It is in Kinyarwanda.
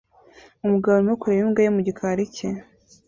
Umugabo arimo kureba imbwa ye mu gikari cye